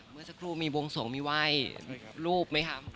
เมื่อสักครู่มีวงสวงมีไหว้รูปไหมคะ